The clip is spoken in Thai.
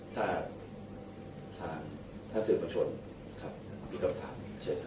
ถ้าถามท่านสื่อประชุมครับมีคำถามเชิญครับ